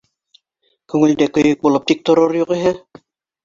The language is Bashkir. Күңелдә көйөк булып тик торор юғиһә...